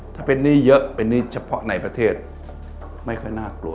ถ้าเป็นหนี้เยอะเป็นหนี้เฉพาะในประเทศไม่ค่อยน่ากลัว